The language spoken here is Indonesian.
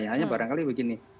hanya barangkali begini